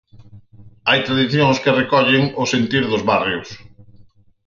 Hai tradicións que recollen o sentir dos barrios.